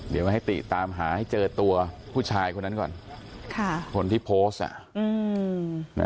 เดี๋ยวให้ติตามหาให้เจอตัวผู้ชายคนนั้นก่อนคนที่โพสต์อ่ะ